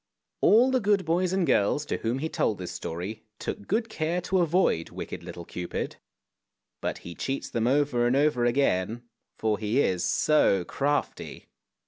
All the good boys and girls to whom he told this story took good care to avoid wicked little Cupid, but he cheats them over and over again, for he is so crafty.